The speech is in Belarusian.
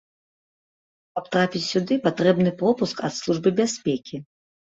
Каб трапіць сюды, патрэбны пропуск ад службы бяспекі.